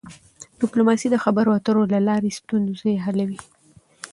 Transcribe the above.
ډيپلوماسي د خبرو اترو له لارې ستونزې حلوي.